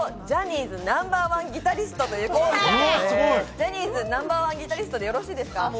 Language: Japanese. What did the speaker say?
ジャニーズナンバーワンギタリストということですが、ジャニーズナンバーワンギタリストで、よろしいですか？